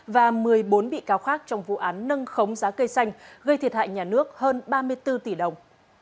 và một mươi bốn bị cáo khác trong vụ án nâng khống giá cây xanh gây thiệt hại nhà nước hơn ba mươi bốn tỷ đồng